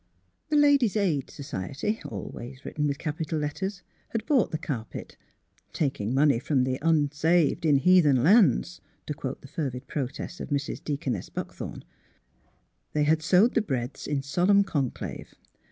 The Ladies' Aid Society (always written with capital letters) had bought the carpet, '' taking money from the unsaved in heathen lands," to quote the fervid protest of Mrs. Deaconess Buck thorn ; had sewed the breadths in solemn conclave.